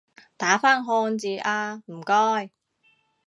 打返漢字吖唔該